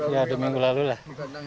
ya di minggu lalu lah